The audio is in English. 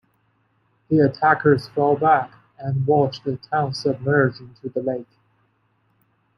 The attackers fell back and watched the town submerge into the lake.